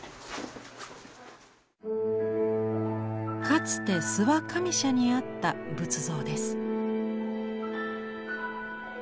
かつて諏訪上社にあった仏像です。